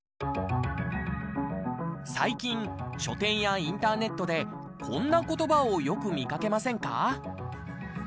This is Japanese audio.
最近書店やインターネットでこんな言葉をよく見かけませんか？